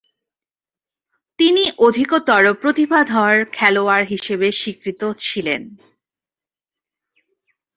তিনি অধিকতর প্রতিভাধর খেলোয়াড় হিসেবে স্বীকৃত ছিলেন।